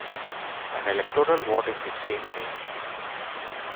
An electoral ward in the same name.